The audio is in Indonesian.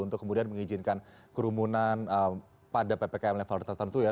untuk kemudian mengizinkan kerumunan pada ppkm level tertentu ya